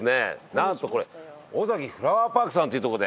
なんとこれオザキフラワーパークさんというとこで。